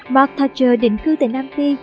mark thatcher định cư tại nam phi